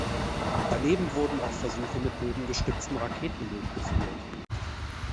Daneben wurden auch Versuche mit bodengestützten Raketen durchgeführt.